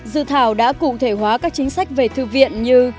dự thảo đã cụ thể hóa các chính sách về thư viện như